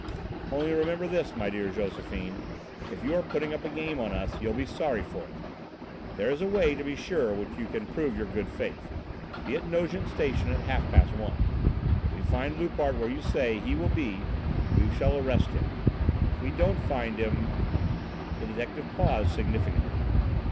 "Only, remember this, my dear Josephine, if you are putting up a game on us you'll be sorry for it. There is a way, to be sure, in which you can prove your good faith. Be at Nogent Station at half past one. If we find Loupart where you say he will be, we shall arrest him; if we don't find him " The detective paused, significantly.